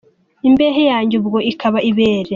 Imbehe yanjye ubwo ikaba ibere.